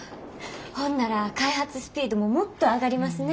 ほんなら開発スピードももっと上がりますね。